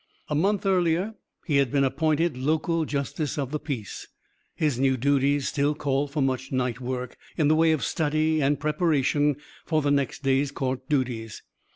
A month earlier he had been appointed local justice of the peace. His new duties still called for much night work, in the way of study and preparation for the next day's court duties.